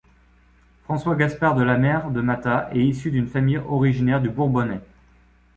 François-Gaspard de La Mer de Matha est issu d'une famille originaire du Bourbonnais.